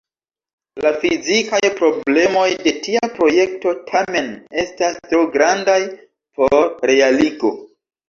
La fizikaj problemoj de tia projekto tamen estas tro grandaj por realigo.